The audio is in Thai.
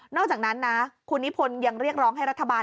อกจากนั้นนะคุณนิพนธ์ยังเรียกร้องให้รัฐบาล